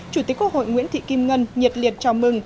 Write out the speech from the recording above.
chủ tịch quốc hội nguyễn thị kim ngân nhiệt liệt chào mừng